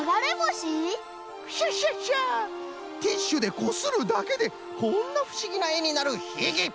ティッシュでこするだけでこんなふしぎなえになるひぎ！